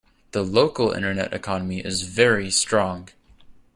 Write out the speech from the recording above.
The local internet economy is very strong.